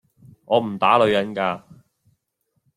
我唔打女人㗎